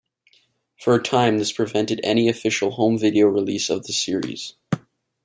For a time this prevented any official home video release of the series.